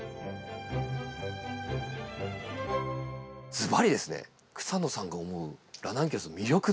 ずばりですね草野さんが思うラナンキュラスの魅力って？